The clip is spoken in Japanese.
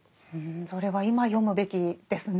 それは今読むべきですね。